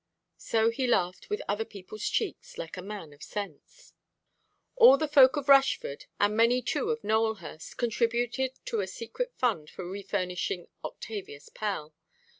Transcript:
So he laughed with other peopleʼs cheeks, like a man of sense. All the folk of Rushford, and many too of Nowelhurst, contributed to a secret fund for refurnishing Octavius Pell.